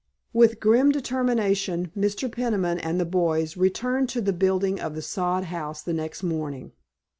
With grim determination Mr. Peniman and the boys returned to the building of the sod house the next morning.